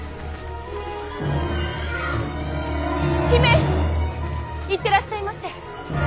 姫行ってらっしゃいませ。